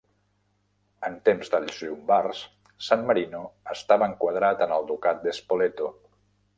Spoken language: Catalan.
En temps dels llombards San Marino estava enquadrat en el Ducat de Spoleto.